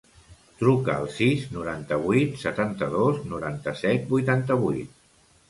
Truca al sis, noranta-vuit, setanta-dos, noranta-set, vuitanta-vuit.